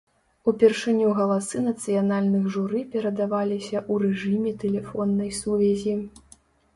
Упершыню галасы нацыянальных журы перадаваліся ў рэжыме тэлефоннай сувязі.